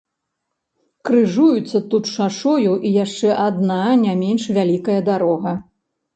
Крыжуецца тут з шашою і яшчэ адна, не менш вялікая дарога.